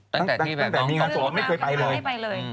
ตั้งแต่เมียต้องสบายเลย